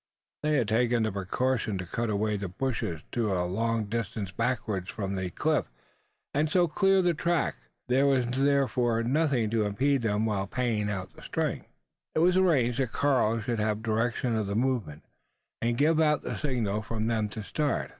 They had taken the precaution to cut away the bushes to a long distance backwards from the cliff, and so clear the track: there was therefore nothing to impede them while paying out the string. It was arranged that Karl should have direction of the movement, and give out the signal for them to start.